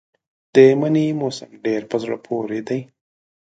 د مني موسم ډېر په زړه پورې دی.